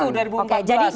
tidak seperti itu